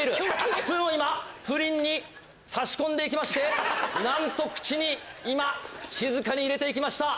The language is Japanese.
スプーンを今プリンに差し込んでいきましてなんと口に今静かに入れていきました。